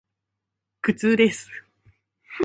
苦痛です。